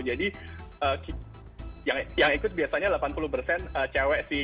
jadi yang ikut biasanya delapan puluh cewek sih